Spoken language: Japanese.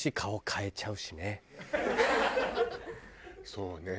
そうね。